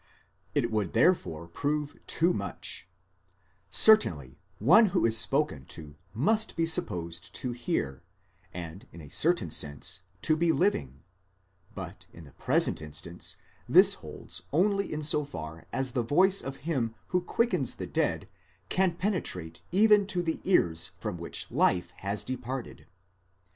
16); it would therefore prove too much, Certainly one who is spoken to must be supposed to hear, and in a certain sense to be living ; but in the present instance this holds only in so far as the voice of him who quickens the dead can penetrate even to the ears from which life has departed.